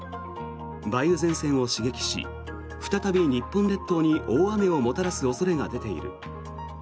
梅雨前線を刺激し再び日本列島に大雨をもたらす恐れが出ている。